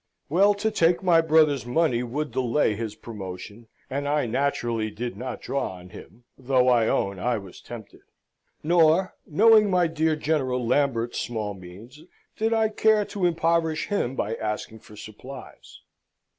Well, to take my brother's money would delay his promotion, and I naturally did not draw on him, though I own I was tempted; nor, knowing my dear General Lambert's small means, did I care to impoverish him by asking for supplies.